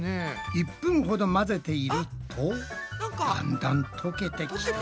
１分ほど混ぜているとだんだんとけてきた！